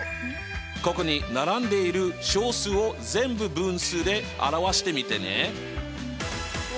ここに並んでいる小数を全部分数で表してみてね。